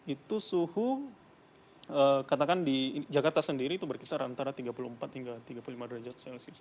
itu suhu katakan di jakarta sendiri itu berkisar antara tiga puluh empat hingga tiga puluh lima derajat celcius